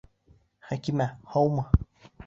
Хәкимә, һаумы!